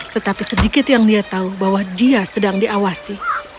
tetapi sedikit yang dia tahu bahwa dia sedang diawasi